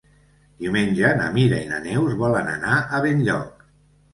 Diumenge na Mira i na Neus volen anar a Benlloc.